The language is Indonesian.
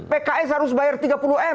pks harus bayar tiga puluh m